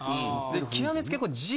極め付き。